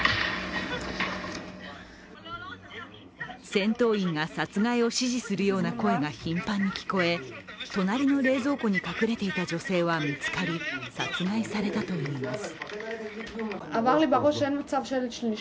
戦闘員が殺害を指示するような声が頻繁に聞こえ、隣の冷蔵庫に隠れていた女性は見つかり殺害されたといいます。